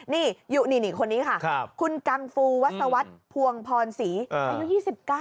นี่อยู่นี่คนนี้ค่ะคุณกังฟูวัสวัสดิ์พวงพรศรีอายุ๒๙